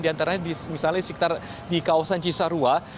di antaranya misalnya sekitar di kawasan cisarua